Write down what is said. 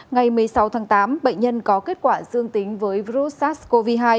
ngày một mươi sáu tháng tám bệnh nhân có kết quả dương tính với virus sars cov hai